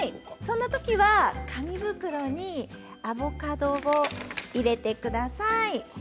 そんな時は紙袋にアボカドを入れてください。